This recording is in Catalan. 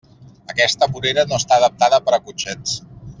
Aquesta vorera no està adaptada per a cotxets.